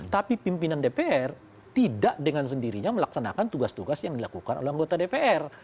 tapi pimpinan dpr tidak dengan sendirinya melaksanakan tugas tugas yang dilakukan oleh anggota dpr